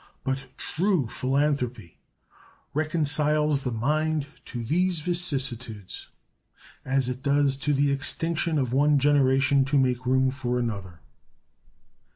But true philanthropy reconciles the mind to these vicissitudes as it does to the extinction of one generation to make room for another.